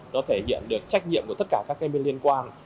nó thể hiện được trách nhiệm của tất cả các bên liên quan